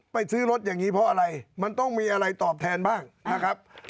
ไปซื้อรถอย่างนี้เพราะอะไรมันต้องมีอะไรตอบแทนบ้างนะครับ